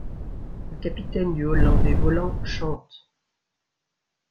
Le capitaine du Hollandais volant chante.